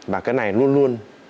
và cái này luôn luôn